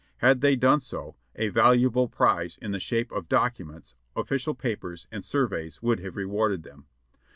Had they done so, a valuable prize in the shape of documents, official papers and surveys would have rewarded them.